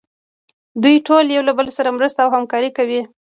دوی ټول یو له بل سره مرسته او همکاري کوي.